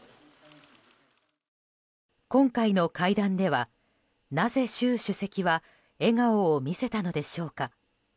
今回の会談では、なぜ習主席は笑顔を見せたのでしょうか。